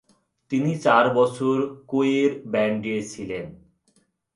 তিনি চার বছর কোয়ের ব্যান্ডে ছিলেন।